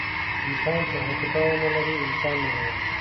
انسان چې عاطفه ونهلري، انسان نهدی.